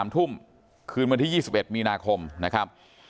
๓ทุ่มคืนวันที่๒๑มีนาคมนะครับ